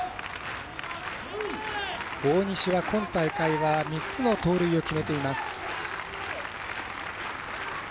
大西は今大会は３つの盗塁を決めています。